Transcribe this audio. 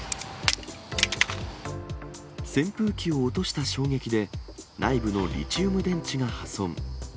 扇風機を落とした衝撃で、内部のリチウム電池が破損。